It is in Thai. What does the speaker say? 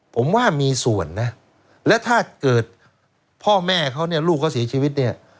ผมว่ามีส่วนและถ้าเกิดพ่อแม่เขาลูกเขาเสียชีวิต